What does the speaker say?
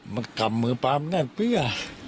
มันทำมือปลามันแน่นเปี้ย